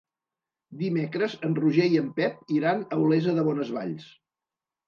Dimecres en Roger i en Pep iran a Olesa de Bonesvalls.